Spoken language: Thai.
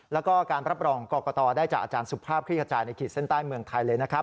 แล้วก็การรับรองกรกตได้จากอาจารย์สุภาพคลิกขจายในขีดเส้นใต้เมืองไทยเลยนะครับ